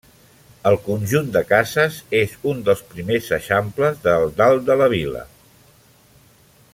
El conjunt de cases és un dels primers eixamples del Dalt de la Vila.